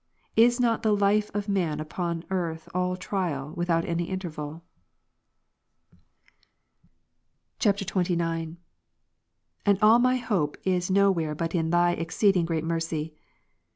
Is not the life of man upon earth all trial, without any interval ? [XXIX.] 40. And all my hope is no where but in Tliy exceeding great mercy.